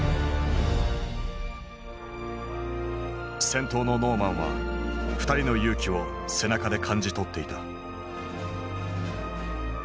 先頭のノーマンは２人の勇気を背中で感じ取っていた。